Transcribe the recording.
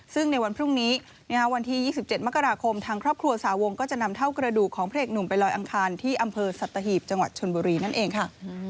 ซึ่งในวันพรุ่งนี้วันที่๒๗มกราคมทางครอบครัวสาวงก็จะนำเท่ากระดูกของพระเอกหนุ่มไปลอยอังคารที่อำเภอสัตหีบจังหวัดชนบุรีนั่นเองค่ะ